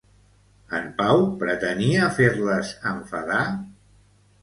En Pau pretenia fer-les enfadar?